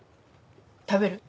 食べる？